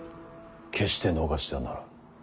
決して逃してはならん。